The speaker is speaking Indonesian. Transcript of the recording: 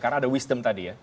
karena ada wisdom tadi ya